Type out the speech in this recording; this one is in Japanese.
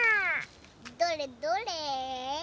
どれどれ？